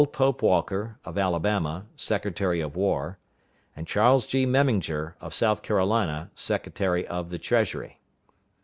Pope Walker, of Alabama, Secretary of War; and Charles G. Memminger, of South Carolina, Secretary of the Treasury.